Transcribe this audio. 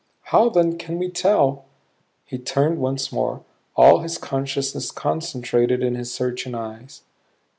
How then can we tell " He turned once more, all his consciousness concentrated in his searching eyes.